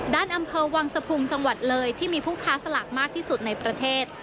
ด้านอำเคราะห์วังสภูมิจังหวัดเลยที่มีผู้ค้าสลากมากที่สุดในประเทศ